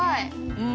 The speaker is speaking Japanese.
うん。